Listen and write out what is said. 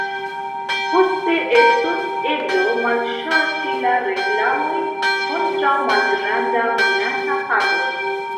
Poste estos eblo malŝalti la reklamojn kontraŭ malgranda monata pago.